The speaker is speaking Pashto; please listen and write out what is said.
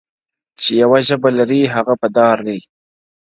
چي یوه ژبه لري هغه په دار دی,